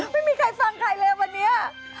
ไม่มีใครฟังใครเลยวันนี้